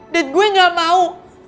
dan gue gak mau